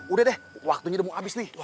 udah deh waktunya udah mau habis nih